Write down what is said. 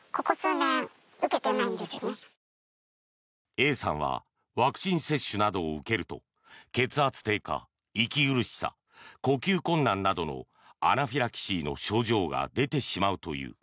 Ａさんはワクチン接種などを受けると血圧低下、息苦しさ呼吸困難などのアナフィラキシーの症状が出てしまうという。